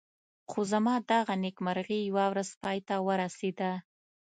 خو زما دغه نېکمرغي یوه ورځ پای ته ورسېده.